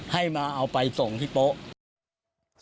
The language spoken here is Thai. ให้มาเอาไปส่งที่โป๊ะ